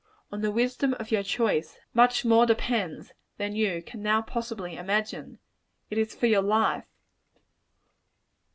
On the wisdom of your choice, much more depends than you can now possibly imagine: it is for your life.